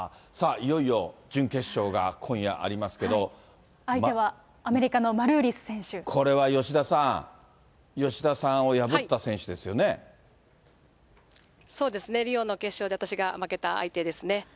いよいよ、相手はアメリカのマルーリスこれは吉田さん、吉田さんをそうですね、リオの決勝で私が負けた相手ですね。